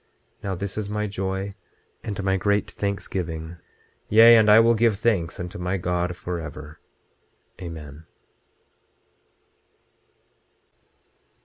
Now this is my joy, and my great thanksgiving; yea, and I will give thanks unto my God forever. Amen.